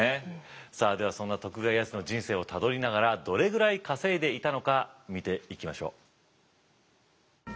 さあではそんな徳川家康の人生をたどりながらどれぐらい稼いでいたのか見ていきましょう。